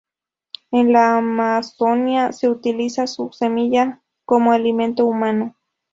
En la Amazonia se utiliza su semilla como alimento humano.